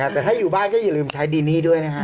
แต่ถ้าอยู่บ้านก็อย่าลืมใช้ดินนี่ด้วยนะฮะ